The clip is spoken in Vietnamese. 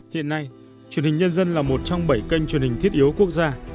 hiện nay truyền hình nhân dân là một trong bảy kênh truyền hình thiết yếu quốc gia